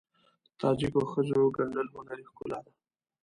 د تاجکو ښځو ګنډل هنري ښکلا ده.